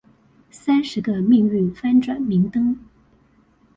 三十個命運翻轉明燈